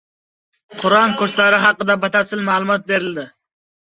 Qur’on kurslari haqida batafsil ma’lumot berildi